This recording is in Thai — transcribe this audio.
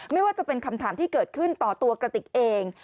ไม่ว่าจะเป็นคำถามที่เกิดขึ้นต่อตัวกระติกเอง